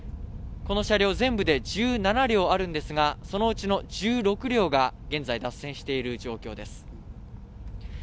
この車両全部で１７両あるんですが、そのうちの１６両が現在、脱線している状況です。